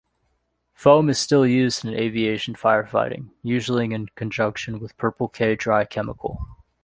Foam is still used in aviation firefighting, usually in conjunction with Purple-K dry chemical.